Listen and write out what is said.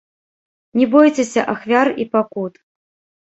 Не бойцеся ахвяр і пакут!